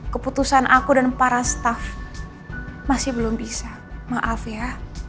keputusan aku dan para staff masih belum bisa maaf ya